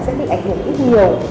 sẽ bị ảnh hưởng ít nhiều